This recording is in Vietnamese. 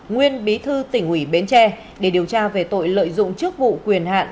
nguyên bí thư tỉnh ủy bến tre để điều tra về tội lợi dụng chức vụ quyền hạn